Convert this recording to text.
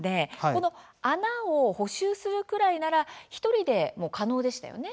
この穴を補修するくらいなら１人でも可能でしたよね。